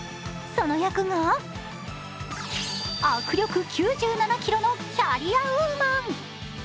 その役が握力９７ｋｇのキャリアウーマン。